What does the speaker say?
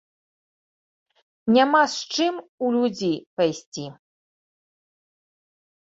Няма з чым у людзі пайсці.